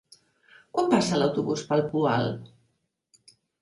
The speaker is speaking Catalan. Quan passa l'autobús per el Poal?